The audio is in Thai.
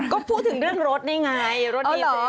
ก็พูดถึงเรื่องรถนี่ไงรถดีเบส